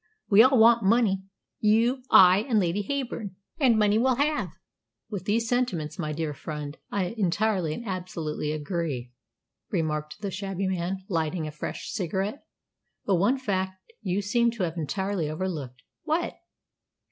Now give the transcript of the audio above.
We all want money, you, I, and Lady Heyburn and money we'll have." "With these sentiments, my dear friend, I entirely and absolutely agree," remarked the shabby man, lighting a fresh cigarette. "But one fact you seem to have entirely overlooked." "What?"